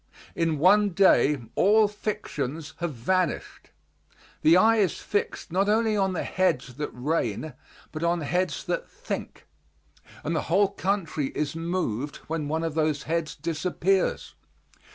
In one day all fictions have vanished. The eye is fixed not only on the heads that reign, but on heads that think, and the whole country is moved when one of those heads disappears.